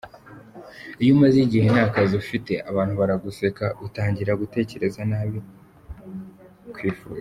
Iyo umaze igihe ntakazi ufite abantu baraguseka, utangira gutekereza nabi, kwifuza….